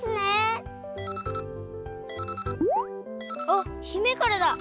あっ姫からだ。